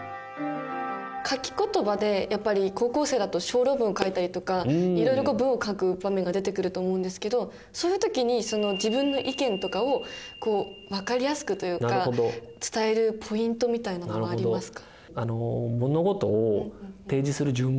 書き言葉でやっぱり高校生だと小論文書いたりとかいろいろ文を書く場面が出てくると思うんですけどそういう時に自分の意見とかをこうわかりやすくというか伝えるポイントみたいなものありますか？